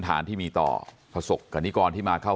ท่านผู้ชมครับ